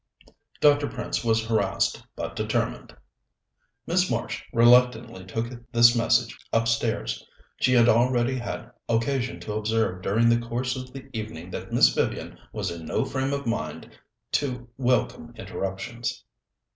Dr. Prince was harassed but determined. Miss Marsh reluctantly took this message upstairs. She had already had occasion to observe during the course of the evening that Miss Vivian was in no frame of mind to welcome interruptions.